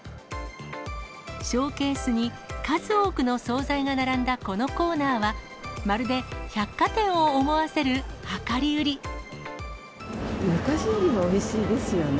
ショーケースに数多くの総菜が並んだこのコーナーは、昔よりもおいしいですよね。